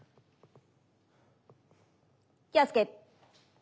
気をつけ。